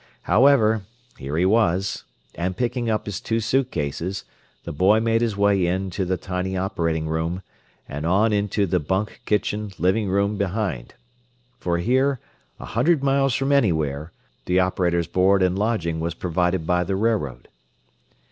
However, here he was; and picking up his two suitcases, the boy made his way in to the tiny operating room, and on into the bunk kitchen living room behind. For here, "a hundred miles from anywhere," the operator's board and lodging was provided by the railroad.